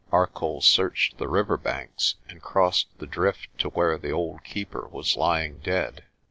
Arcoll seached the river banks, and crossed the drift to where the old Keeper was lying dead.